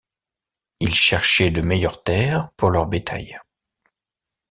Ils cherchaient de meilleures terres pour leur bétail.